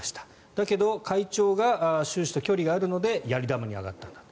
だけど、会長が習氏と距離があるのでやり玉に挙がったんだと。